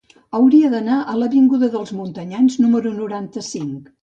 Hauria d'anar a l'avinguda dels Montanyans número noranta-cinc.